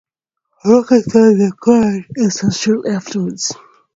Brocket sold the Knoydart estate shortly afterwards.